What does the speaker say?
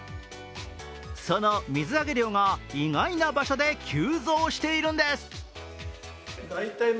その水揚げ量が意外な場所で急増しているんです。